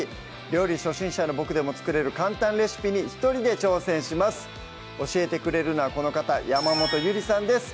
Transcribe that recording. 料理初心者のボクでも作れる簡単レシピに一人で挑戦します教えてくれるのはこの方山本ゆりさんです